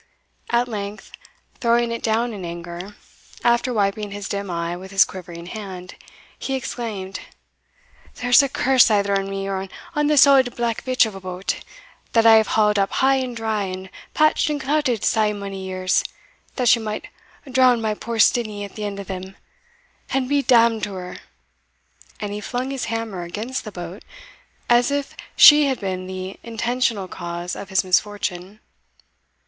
At length, throwing it down in anger, after wiping his dim eye with his quivering hand, he exclaimed, "There is a curse either on me or on this auld black bitch of a boat, that I have hauled up high and dry, and patched and clouted sae mony years, that she might drown my poor Steenie at the end of them, an' be d d to her!" and he flung his hammer against the boat, as if she had been the intentional cause of his misfortune.